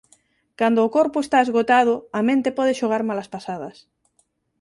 Cando o corpo está esgotado a mente pode xogar malas pasadas.